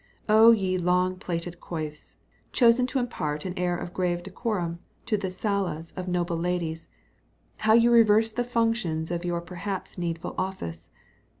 O ye long plaited coifs, chosen to impart an air of grave decorum to the salas of noble ladies, how do you reverse the functions of your perhaps needful office!